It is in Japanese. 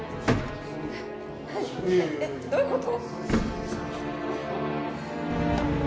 えっどういうこと？